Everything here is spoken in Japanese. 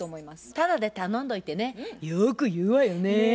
タダで頼んどいてねよく言うわよね。ね。